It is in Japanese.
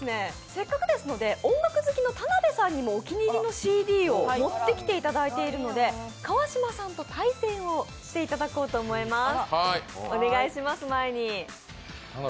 せっかくですので音楽好きの田辺さんにもお気に入りのＣＤを持ってきていただいているので川島さんと対戦をしていただこうと思います。